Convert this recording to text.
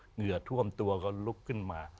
เหงื่อท่วมตัวก็ลุกขึ้นมา